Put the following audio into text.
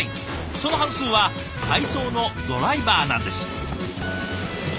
その半数は配送のドライバーなんです。